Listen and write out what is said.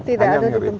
tidak ada di tempat lain